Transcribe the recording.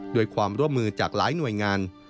ด้วยความร่วมมือจากหลายหน่วยงาน